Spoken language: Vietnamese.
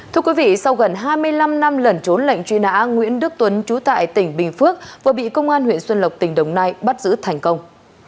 thưa quý vị sau gần hai mươi năm năm lẩn trốn lệnh truy nã nguyễn đức tuấn trú tại tỉnh bình phước vừa bị công an huyện xuân lộc tỉnh đồng nai bắt giữ thành công